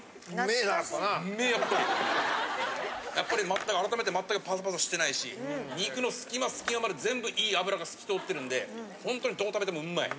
やっぱり改めて全くパサパサしてないし肉の隙間隙間まで全部いい油が透き通ってるんでホントにトータルでうまい。